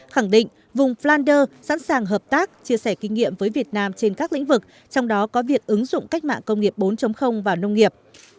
khẳng định vùng flander sẵn sàng hợp tác chia sẻ kinh nghiệm với việt nam trên các lĩnh vực trong đó có việc ứng dụng cách mạng công nghiệp bốn vào nông nghiệp